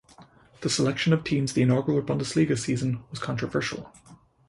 The selection of teams the inaugural Bundesliga season was controversial.